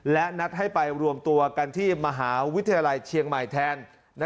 และนัดให้ไปรวมตัวกันที่มหาวิทยาลัยเชียงใหม่แทน